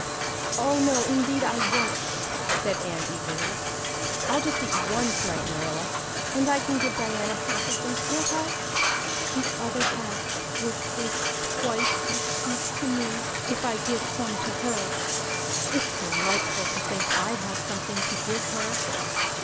"Oh, no, indeed, I won't," said Anne eagerly. "I'll just eat one tonight, Marilla. And I can give Diana half of them, can't I? The other half will taste twice as sweet to me if I give some to her. It's delightful to think I have something to give her."